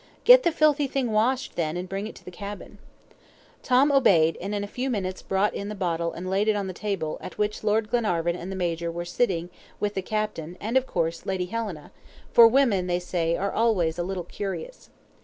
"Get the filthy thing washed then, and bring it to the cabin." Tom obeyed, and in a few minutes brought in the bottle and laid it on the table, at which Lord Glenarvan and the Major were sitting ready with the captain, and, of course Lady Helena, for women, they say, are always a little curious.